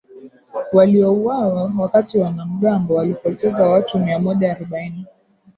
waliouawa wakati wanamgambo walipoteza watu miamoja arobaini